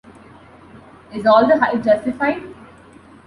Is all the hype justified?